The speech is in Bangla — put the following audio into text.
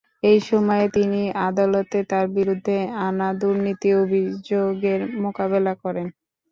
এই সময়ে তিনি আদালতে তার বিরুদ্ধে আনা দুর্নীতির অভিযোগের মোকাবেলা করেন।